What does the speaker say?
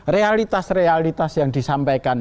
realitas realitas yang disampaikan